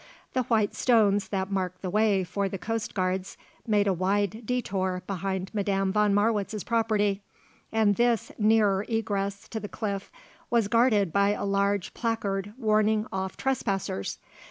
The white stones that marked the way for the coast guards made a wide détour behind Madame von Marwitz's property and this nearer egress to the cliff was guarded by a large placard warning off trespassers.